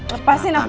lepasin aku mas